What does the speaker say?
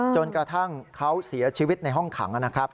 จนกระทั่งเขาเสียชีวิตในห้องขังนะครับ